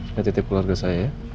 nanti titip keluarga saya ya